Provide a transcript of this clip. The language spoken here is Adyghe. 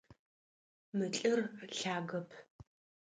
Мы лӏыр лъагэп.